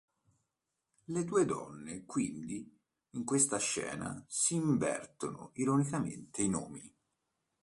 Le due donne quindi in questa scena si invertono ironicamente i nomi.